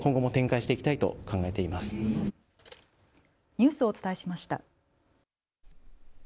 ニュースをお伝えしました。